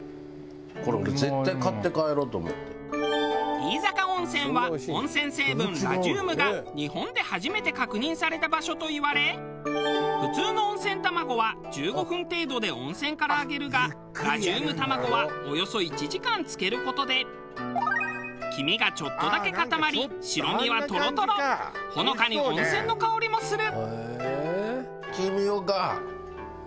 飯坂温泉は温泉成分ラジウムが日本で初めて確認された場所といわれ普通の温泉卵は１５分程度で温泉から上げるがラジウム玉子はおよそ１時間漬ける事で黄身がちょっとだけ固まり白身はトロトロほのかに温泉の香りもする。